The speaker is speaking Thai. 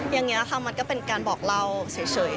อย่างนี้ค่ะมันก็เป็นการบอกเล่าเฉย